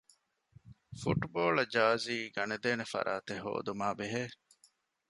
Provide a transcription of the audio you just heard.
ފުޓްބޯޅަ ޖާރޒީ ގަނެދޭނެ ފަރާތެއް ހޯދުމާބެހޭ